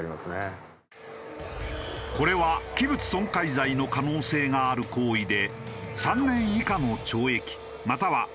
これは器物損壊罪の可能性がある行為で。